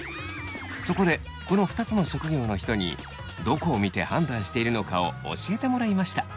そこでこの２つの職業の人にどこを見て判断しているのかを教えてもらいました。